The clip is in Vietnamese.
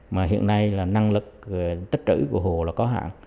mà hiện nay là năng lực tích trữ của hồ là có hạn